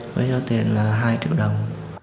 với cho tiền là hai triệu đồng